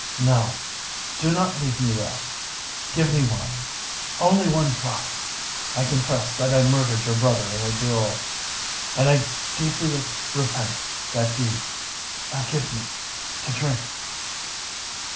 "No: do not leave me thus! Give me water—only one drop! I confess that I murdered your brother in a duel—and I deeply repent that deed! Now give me to drink!"